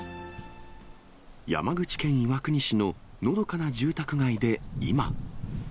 山口県岩国市ののどかな住宅街で今。